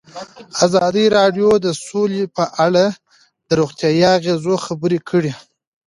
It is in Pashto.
ازادي راډیو د سوله په اړه د روغتیایي اغېزو خبره کړې.